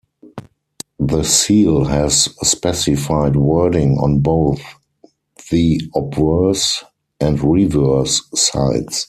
The seal has specified wording on both the obverse and reverse sides.